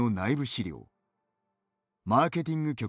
資料マーケティング局